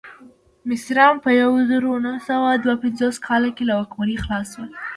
مصریان په یو زرو نهه سوه دوه پنځوس کال کې له واکمنۍ خلاص شول.